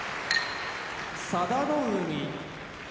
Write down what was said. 佐田の海